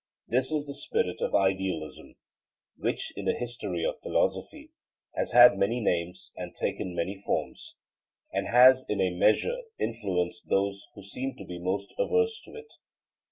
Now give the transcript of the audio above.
This is the spirit of idealism, which in the history of philosophy has had many names and taken many forms, and has in a measure influenced those who seemed to be most averse to it.